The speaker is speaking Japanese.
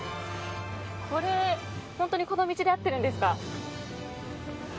これ、本当にこの道で合っているんですか。